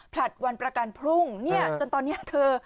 ผลัดวันประกันพรุ่งเนี่ยจนตอนนี้เธอ